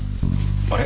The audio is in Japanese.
あれ？